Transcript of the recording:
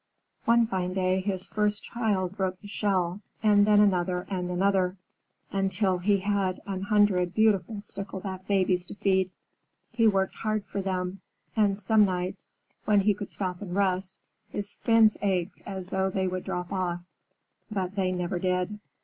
One fine day, his first child broke the shell, and then another and another, until he had an hundred beautiful Stickleback babies to feed. He worked hard for them, and some nights, when he could stop and rest, his fins ached as though they would drop off. But they never did.